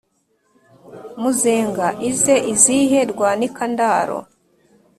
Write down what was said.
muzenga ize izihe rwanika ndaro,